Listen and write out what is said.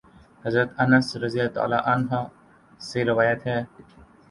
حضرت انس رضی اللہ عنہ سے روایت ہے